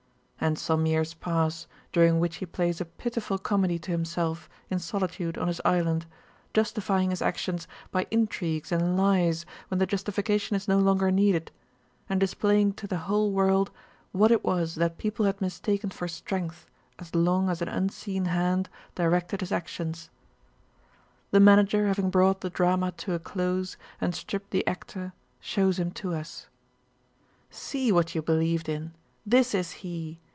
And some years pass during which he plays a pitiful comedy to himself in solitude on his island, justifying his actions by intrigues and lies when the justification is no longer needed, and displaying to the whole world what it was that people had mistaken for strength as long as an unseen hand directed his actions. The manager having brought the drama to a close and stripped the actor shows him to us. "See what you believed in! This is he!